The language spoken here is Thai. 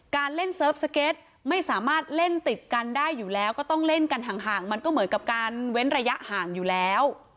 การเล่นเซิร์ฟสเก็ตไม่สามารถเล่นติดกันได้อยู่แล้วก็ต้องเล่นกันห่างมันก็เหมือนกับการเว้นระยะห่างอยู่แล้ว